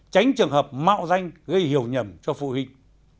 tránh trường hợp mạo danh gây hiểu nhầm cho phụ huynh